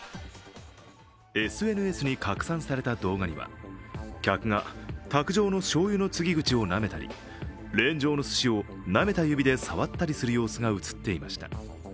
ＳＮＳに拡散された動画には、客が卓上のしょうゆの注ぎ口をなめたり、レーン上のすしをなめた指で触ったりする様子が映っていました。